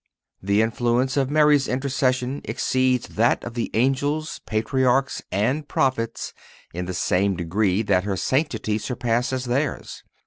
The influence of Mary's intercession exceeds that of the angels, patriarchs and prophets in the same degree that her sanctity surpasses theirs.